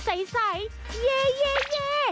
สวัสดีครับทุกคน